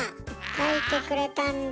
描いてくれたんだ！